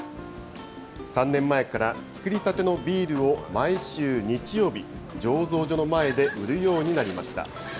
３年前から造りたてのビールを毎週日曜日、醸造所の前で売るようになりました。